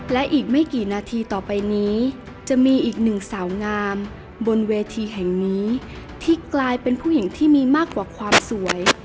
และอีกไม่กี่นาทีต่อไปนี้จะมีอีกหนึ่งสาวงามบนเวทีแห่งนี้ที่กลายเป็นผู้หญิงที่มีมากกว่าความสวย